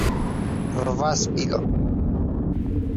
რვა სპილო.